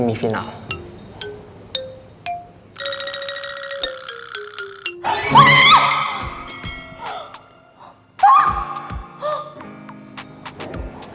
ini benar pak